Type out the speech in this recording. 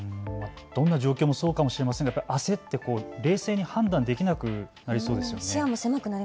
どんな状況もそうかもしれませんが焦って冷静に判断できなくなりそうですよね。